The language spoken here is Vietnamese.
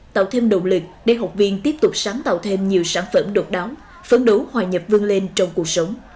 tạo thêm động lực để học viên tiếp tục sáng tạo thêm nhiều sản phẩm độc đáo phấn đấu hòa nhập vương lên trong cuộc sống